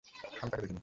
আমি তাকে দেখিনি।